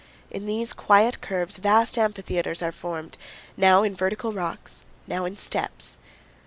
In these quiet curves vast amphitheaters are formed, now in vertical rocks, now in steps.